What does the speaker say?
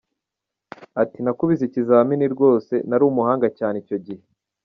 Ati “Nakubise ikizamini rwose, nari umuhanga cyane icyo gihe.